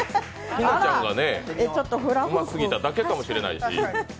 日奈ちゃんがうますぎただけかもしれないし。